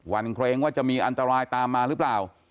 เกรงว่าจะมีอันตรายตามมาหรือเปล่า